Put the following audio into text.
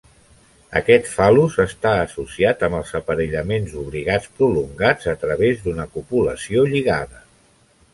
Aquest fal·lus està associat amb els aparellaments obligats prolongats a través d'una copulació lligada.